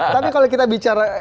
tapi kalau kita bicara